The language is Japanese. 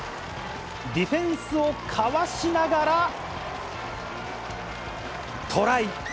ディフェンスをかわしながらトライ。